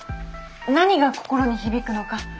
何が心に響くのか？